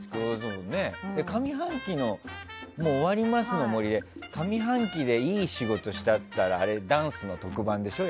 上半期終わりますの森で上半期でいい仕事したっていうのはダンスの特番でしょ？